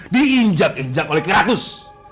diinjak injak oleh keratus